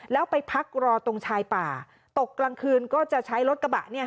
แล้วไปพักรอตรงชายป่าตกกลางคืนก็จะใช้รถกระบะเนี่ย